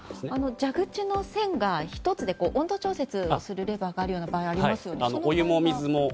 蛇口の栓が１つで温度調節するレバーがある場合がありますよね。